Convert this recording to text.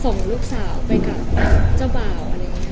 ส่งลูกสาวไปกับเจ้าบ่าว